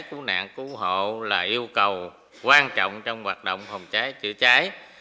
cứu nạn cứu hộ là yêu cầu quan trọng trong hoạt động phòng cháy chữa cháy